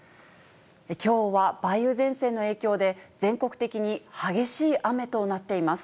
きょうは梅雨前線の影響で、全国的に激しい雨となっています。